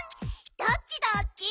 ドッチドッチ？